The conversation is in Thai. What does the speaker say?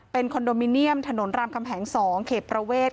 เป็นคอนโดมิเนียมถนนรามคำแหง๒เขตประเวท